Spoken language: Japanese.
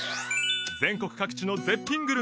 全国各地の絶品グルメや感動